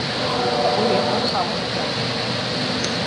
La oriento havas montojn.